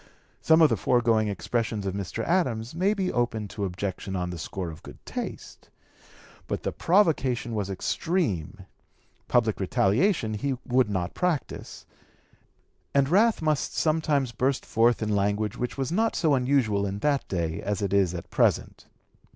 Some of the foregoing expressions of Mr. Adams may be open to objection on the score of good taste; but the provocation was extreme; public retaliation he would not practise, and wrath must sometimes burst forth in language which was not so unusual in that day as it is at present.